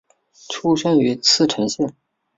出身于茨城县。